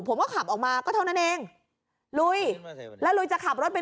ผมก็ขับออกมาก็เท่านั้นเองลุยแล้วลุยจะขับรถไป